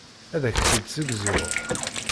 Ad ak-t-id-ssegzuɣ.